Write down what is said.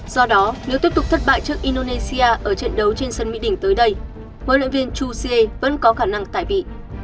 do đó nếu tiếp tục thất bại trước indonesia ở trận đấu trên sân mỹ đình tới đây huấn luyện viên chu xie vẫn có khả năng tải vị